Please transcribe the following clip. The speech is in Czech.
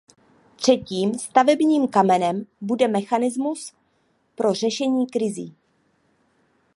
Třetím stavebním kamenem bude mechanismus pro řešení krizí.